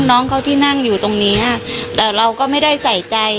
น้องเขาที่นั่งอยู่ตรงเนี้ยแต่เราก็ไม่ได้ใส่ใจ